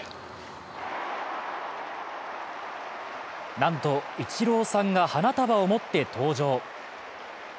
なんと、イチローさんが花束を持って登場。